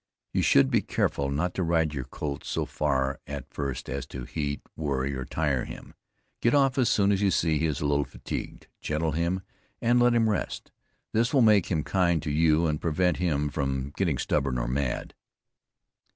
You should be careful not to ride your colt so far at first as to heat, worry or tire him. Get off as soon as you see he is a little fatigued; gentle him and let him rest, this will make him kind to you and prevent him from getting stubborn or mad.